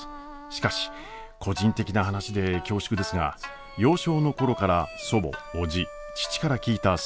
しかし個人的な話で恐縮ですが幼少の頃から祖母叔父父から聞いた戦後沖縄の実体験。